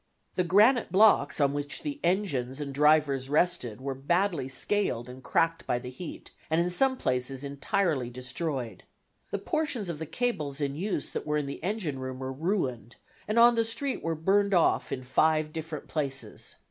The granite blocks on which the engines and drivers rested were badly scaled and cracked by the heat, and in some places entirely destroyed. The portions of the cables in use that were in the engine room were ruined, and on the street were burned off in five different places.